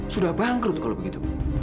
sudah bangkrut kalau begitu